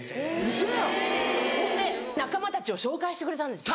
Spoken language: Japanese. そんで仲間たちを紹介してくれたんですよ。